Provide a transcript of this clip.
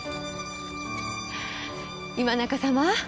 今中様